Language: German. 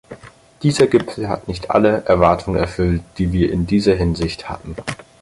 Dieser Gipfel hat nicht alle Erwartungen erfüllt, die wir in dieser Hinsicht hatten.